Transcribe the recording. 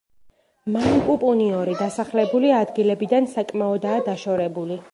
მანპუპუნიორი დასახლებული ადგილებიდან საკმაოდაა დაშორებული.